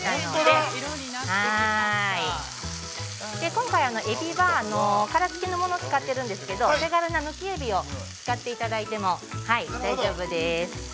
◆今回はエビは、殻つきのものを使っているんですけれども、手軽なむきエビを使っていただいても大丈夫です。